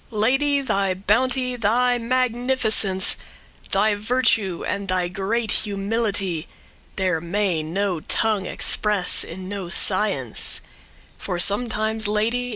Lady! thy bounty, thy magnificence, Thy virtue, and thy great humility, There may no tongue express in no science: For sometimes, Lady!